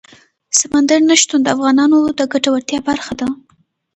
سمندر نه شتون د افغانانو د ګټورتیا برخه ده.